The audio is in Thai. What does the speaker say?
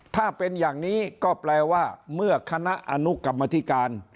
ถ้าเป็นอย่างนี้ก็แปลว่าเมื่อคณะอนุกรรมธิการ